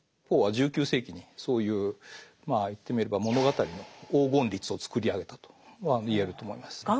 ポーは１９世紀にそういうまあ言ってみれば物語の黄金律を作り上げたと言えると思います。